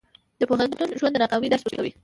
د پوهنتون ژوند د ناکامۍ درس ورکوي.